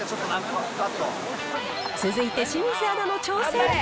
続いて清水アナも挑戦。